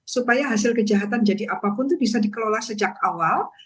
supaya hasil kejahatan jadi apapun itu bisa dikelola sejak awal